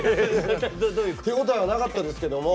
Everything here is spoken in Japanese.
手応えはなかったですけども。